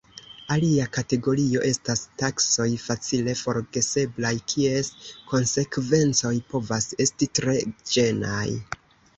Alia kategorio estas taskoj facile forgeseblaj, kies konsekvencoj povas esti tre ĝenaj.